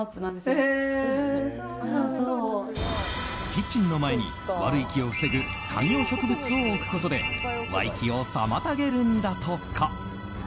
キッチンの前に悪い気を防ぐ観葉植物を置くことで穢気を妨げるんだとか。